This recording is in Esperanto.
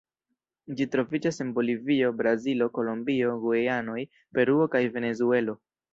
Ĝi troviĝas en Bolivio, Brazilo, Kolombio, Gujanoj, Peruo kaj Venezuelo.